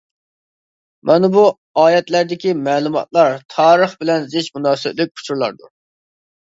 مانا بۇ ئايەتلەردىكى مەلۇماتلار تارىخ بىلەن زىچ مۇناسىۋەتلىك ئۇچۇرلاردۇر.